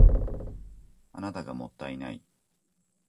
あなたがもったいない